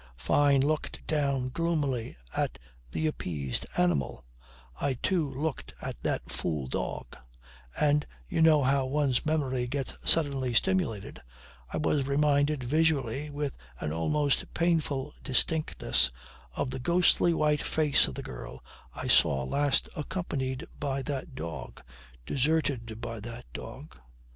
Fyne looked down gloomily at the appeased animal, I too looked at that fool dog; and (you know how one's memory gets suddenly stimulated) I was reminded visually, with an almost painful distinctness, of the ghostly white face of the girl I saw last accompanied by that dog deserted by that dog.